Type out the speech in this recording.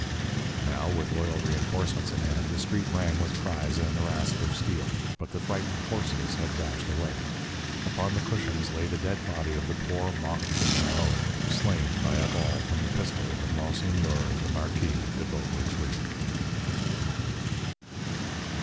Now, with loyal reinforcements at hand, the street rang with cries and the rasp of steel, but the frightened horses had dashed away. Upon the cushions lay the dead body of the poor mock king and poet, slain by a ball from the pistol of Monseigneur, the Marquis de Beaupertuys.